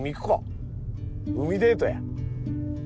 海デートや。